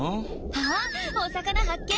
あっお魚発見。